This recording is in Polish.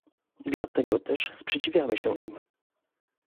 Dlatego też sprzeciwiamy się im